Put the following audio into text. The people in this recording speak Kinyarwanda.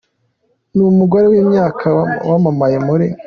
ni umugore w’imyaka wamamaye muri.